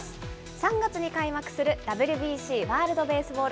３月に開幕するＷＢＣ・ワールドベースボール